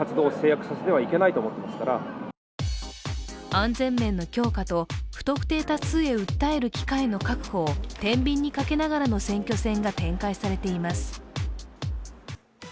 安全面の強化と不特定多数へ訴える機会の確保をてんびんにかけながらの選挙戦が展開されています。